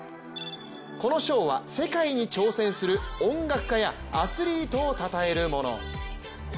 この賞は世界に挑戦する音楽家やアスリートをたたえるもの。